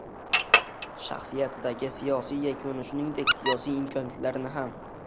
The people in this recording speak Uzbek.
shaxsiyatidagi siyosat yukini shuningdek, siyosiy imkoniyatlarini ham